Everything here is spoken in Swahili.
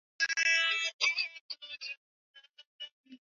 Kiwango cha kusababisha vifo